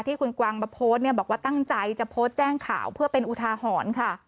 ที่คุณกวางมาโพสต์เนี่ยบอกว่าตั้งใจจะโพสต์แจ้งข่าวเพื่อเป็นอุทาหรณ์ค่ะ